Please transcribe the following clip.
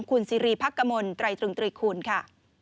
คุณซิรีย์พักกะมล๓๓๓คูณค่ะ